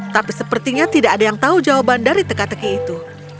tapi sepertinya tidak ada yang tahu jawaban dari teka teki itu